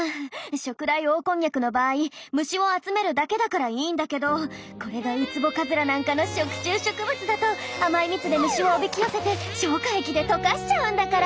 ショクダイオオコンニャクの場合虫を集めるだけだからいいんだけどこれがウツボカズラなんかの食虫植物だと甘い蜜で虫をおびき寄せて消化液で溶かしちゃうんだから。